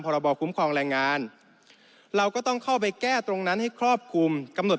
บอคุ้มครองแรงงานเราก็ต้องเข้าไปแก้ตรงนั้นให้ครอบคลุมกำหนด